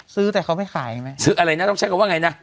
ซื้อแต่เขาไม่ขายใช่ไหมซื้ออะไรนะต้องใช้คำว่าไงนะ